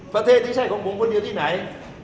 ประเทศนี้ใช่ของผมคนเดียวที่ไหน